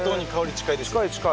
近い近い！